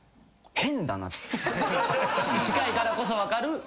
近いからこそ分かる。